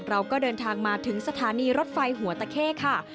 เราก็เดินทางมาถึงสถานีรถไฟหัวตะเข้ค่ะ